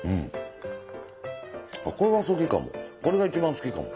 これが好きかも。